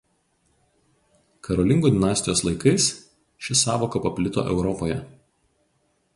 Karolingų dinastijos laikais ši sąvoka paplito Europoje.